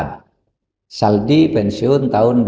nah mereka ini seperti soehartojo sudah akan pensiun tahun depan